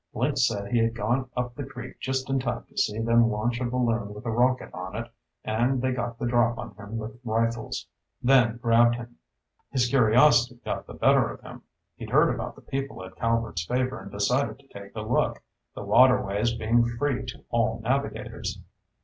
Link said he had gone up the creek just in time to see them launch a balloon with a rocket on it, and they got the drop on him with rifles, then grabbed him. His curiosity got the better of him. He'd heard about the people at Calvert's Favor and decided to take a look, the waterways being free to all navigators.